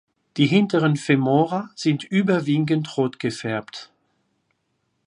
Die hinteren Femora sind überwiegend rot gefärbt.